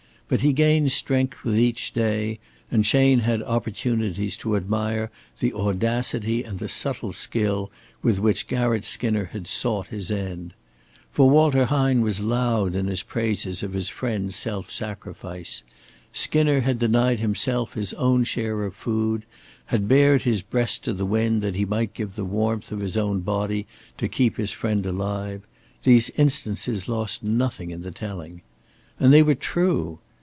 But he gained strength with each day, and Chayne had opportunities to admire the audacity and the subtle skill with which Garratt Skinner had sought his end. For Walter Hine was loud in his praises of his friend's self sacrifice. Skinner had denied himself his own share of food, had bared his breast to the wind that he might give the warmth of his own body to keep his friend alive these instances lost nothing in the telling. And they were true!